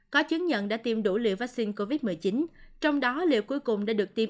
có chứng nhận đã tiêm đủ liều vaccine covid một mươi chín trong đó liệu cuối cùng đã được tiêm